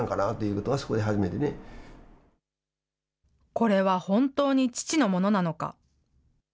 これは本当に父のものなのか。